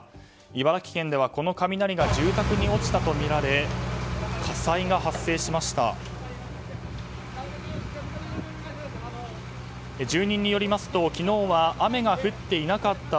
茨城県では、この雷が住宅に落ちたとみられ火災が発生しました。